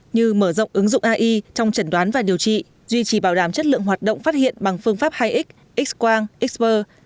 như mở rộng ứng dụng ai trong trần đoán và điều trị duy trì bảo đảm chất lượng hoạt động phát hiện bằng phương pháp hai x x quang x per